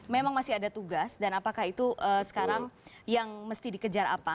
memang masih ada tugas dan apakah itu sekarang yang mesti dikejar apa